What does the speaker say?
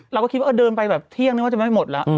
เราก็คิดว่าเดินไปแบบเที่ยงนึกว่าจะไม่หมดแล้ว